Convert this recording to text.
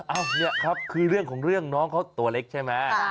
เนี่ยครับคือเรื่องของเรื่องน้องเขาตัวเล็กใช่ไหม